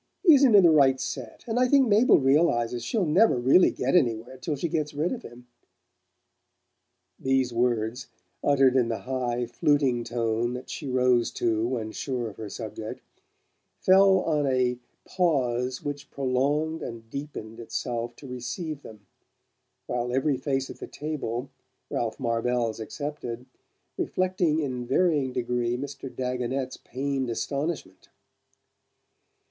He isn't in the right set, and I think Mabel realizes she'll never really get anywhere till she gets rid of him." These words, uttered in the high fluting tone that she rose to when sure of her subject, fell on a pause which prolonged and deepened itself to receive them, while every face at the table, Ralph Marvell's excepted, reflected in varying degree Mr. Dagonet's pained astonishment.